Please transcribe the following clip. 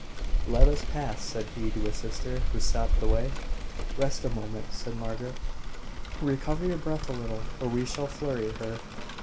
"Let us pass," said he to his sister, who stopped the way. "Rest a moment," said Margaret. "Recover your breath a little, or we shall flurry her."